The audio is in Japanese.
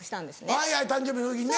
はいはい誕生日の時にね。